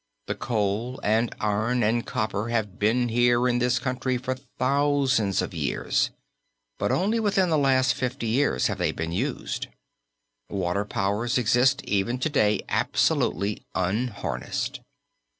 The coal and iron and copper have been here in this country for thousands of years, but only within the last fifty years have they been used. Water powers exist even to day absolutely unharnessed.